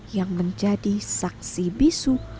yang menjadi saksi bisu